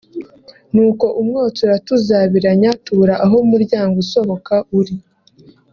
ni uko umwotsi uratuzabiranya tubura aho umuryango usohoka uri